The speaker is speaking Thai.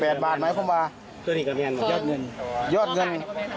แปดบาทไหมคุณบ้านยอดเงิน